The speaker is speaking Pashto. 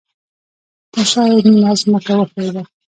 ترشاه یې نیمه ځمکه وښویده